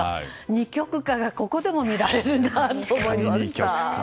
二極化がここでも見られるなと思いました。